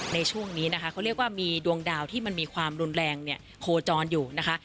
ในช่วงนี้นะคะเขาเรียกว่ามีดวงดาวที่มันมีความรุนแรงเนี่ยโคจรอยู่นะคะ